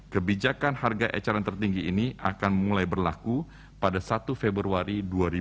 kebijakan harga eceran tertinggi ini akan mulai berlaku pada satu februari dua ribu dua puluh